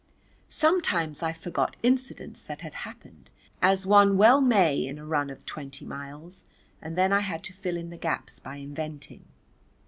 Sometimes I forgot incidents that had happened as one well may in a run of twenty miles, and then I had to fill in the gaps by inventing.